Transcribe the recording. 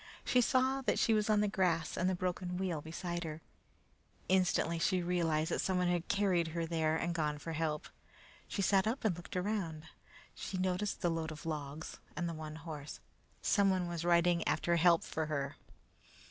She saw that she was on the grass and the broken wheel beside her. Instantly she realized that someone had carried her there and gone after help. She sat up and looked around. She noticed the load of logs and the one horse. Someone was riding after help for her!